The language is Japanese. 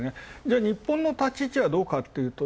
日本の立ち位置はどうかというと。